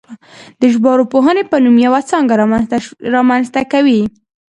د ژبارواپوهنې په نوم یوه څانګه رامنځته کوي